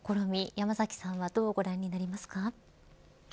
山崎さんはどうご覧になりますか。